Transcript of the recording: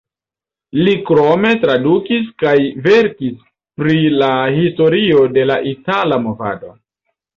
Li krome tradukis kaj verkis pri la historio de la itala movado.